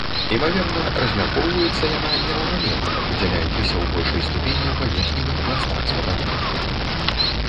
Імаверна, размяркоўваецца яна нераўнамерна, выдзяляючыся ў большай ступені ў паверхневых пластах спадарожніка.